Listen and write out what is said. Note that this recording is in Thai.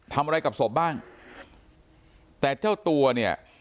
ทำอะไรกับศพบ้างแต่เจ้าตัวเนี่ย